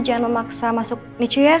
jangan memaksa masuk nicu ya